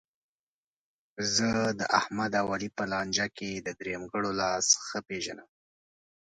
زه داحمد او علي په لانجه کې د درېیمګړو لاس ښه پېژنم.